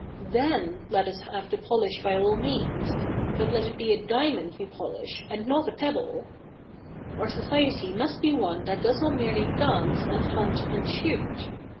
Thefi let us have the polish by all means ; but let it be a diamond we polish, and not a pebble. Our society must be one that does not merely dance, and hunt, and shoot.